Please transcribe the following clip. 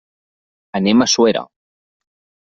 Anem a Suera.